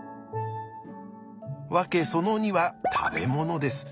訳その２は食べ物です。